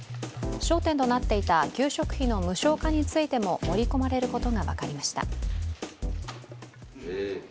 焦点となっていた給食費の無償化についても盛り込まれることが分かりました。